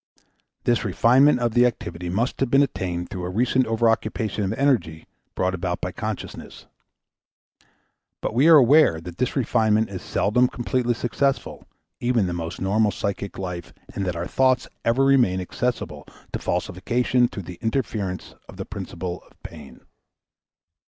This refinement of the activity must have been attained through a recent over occupation of energy brought about by consciousness. But we are aware that this refinement is seldom completely successful even in the most normal psychic life and that our thoughts ever remain accessible to falsification through the interference of the principle of pain.